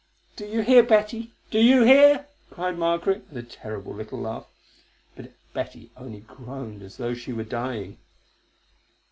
"Do you hear, Betty? do you hear?" cried Margaret with a terrible little laugh; but Betty only groaned as though she were dying.